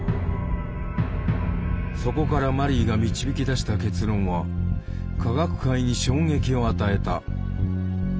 そこからマリーが導き出した結論は科学界に衝撃を与えた。